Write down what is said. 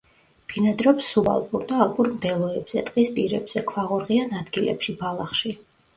ბინადრობს სუბალპურ და ალპურ მდელოებზე, ტყის პირებზე, ქვაღორღიან ადგილებში, ბალახში.